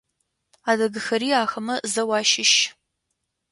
Адыгэхэри ахэмэ зэу ащыщ.